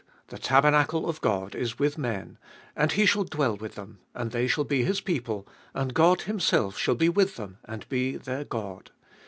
the tabernacle of God is with men, and He shall dwell with them, and they shall be His people, and God Himself shall be with them, and be their God.